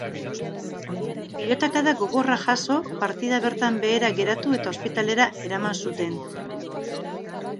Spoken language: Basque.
Pilotakada gogorra jaso, partida bertan behera geratu eta ospitalera eraman zuten.